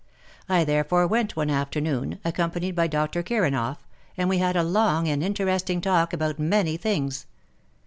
I therefore went one afternoon — accompanied by Dr. Kiranoff — and we had a long and interesting talk about many things.